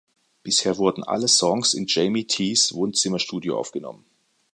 Bisher wurden alle Songs in Jamie Ts Wohnzimmer-Studio aufgenommen.